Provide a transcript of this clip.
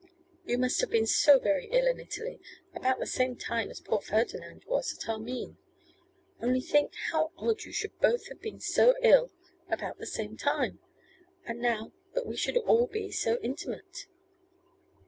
'You must have been so very ill in Italy, about the same time as poor Ferdinand was at Armine. Only think, how odd you should both have been so ill about the same time, and now that we should all be so intimate!